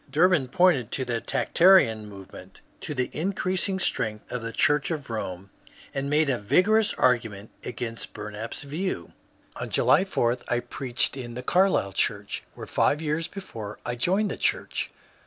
Durbin pointed to the Tractarian movement, to 118 MONCURE DANIEL CONWAY the inoreasiDg strength of the Church of Borne, and made a vigorous argument against Bumap's view. On July 4 I preached in the Carlisle church where five years before I joined the church.